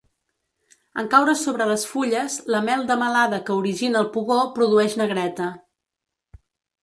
En caure sobre les fulles, la mel de melada que origina el pugó produeix negreta.